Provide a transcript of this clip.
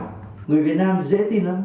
người việt nam dễ tin lắm